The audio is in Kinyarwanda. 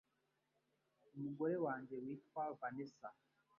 umugore wange witwa Vanessa.